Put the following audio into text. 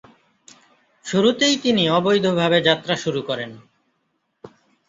শুরুতেই তিনি অবৈধভাবে যাত্রা শুরু করেন।